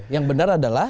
yang benar adalah